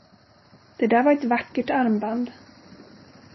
Det där var ett vackert armband.